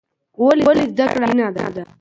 ولې زده کړه اړینه ده؟